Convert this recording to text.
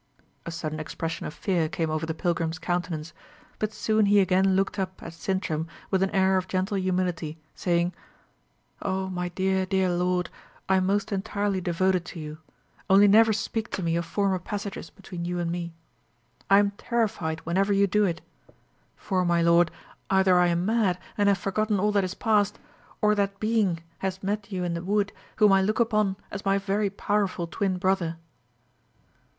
A sudden expression of fear came over the pilgrim's countenance; but soon he again looked up at Sintram with an air of gentle humility, saying, "O my dear, dear lord, I am most entirely devoted to you only never speak to me of former passages between you and me. I am terrified whenever you do it. For, my lord, either I am mad and have forgotten all that is past, or that Being has met you in the wood, whom I look upon as my very powerful twin brother."